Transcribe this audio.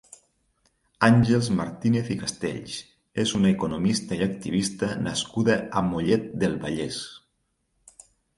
Àngels Martínez i Castells és una economista i activista nascuda a Mollet del Vallès.